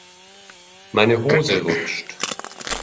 Meine Hose rutscht.